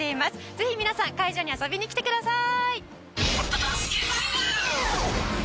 ぜひ皆さん会場に遊びに来てください。